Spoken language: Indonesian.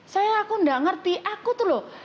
saya aku nggak ngerti aku tuh loh